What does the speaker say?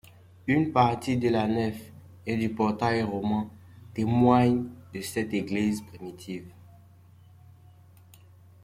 Une partie de la nef et du portail roman témoigne de cette église primitive.